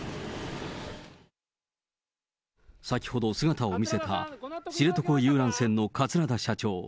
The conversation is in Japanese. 先ほど姿を見せた知床遊覧船の桂田社長。